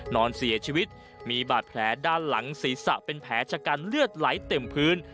นอนเสียชีวิตมีบาดแผลด้านหลังศีรษะเป็นแผลชะกันเลือดไหลเต็มพื้น